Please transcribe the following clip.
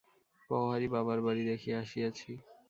পওহারী বাবার বাড়ী দেখিয়া আসিয়াছি।